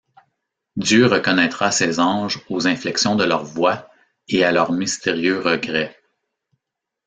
Dieu reconnaîtra ses anges aux inflexions de leur voix et à leurs mystérieux regrets.